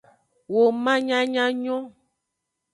Woman nyanya nyon.